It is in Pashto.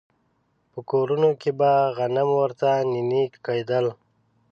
په کورونو کې به غنم ورته نينې کېدل.